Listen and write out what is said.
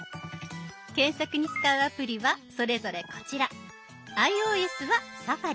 検索に使うアプリはそれぞれこちら。